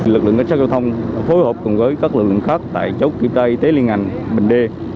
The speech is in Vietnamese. lực lượng các xe giao thông phối hợp cùng với các lực lượng khác tại chốt kiểm tra y tế liên hành bình đê